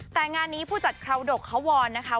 แต่งานนี้ผู้จัดคราวดกเขาวอนนะคะ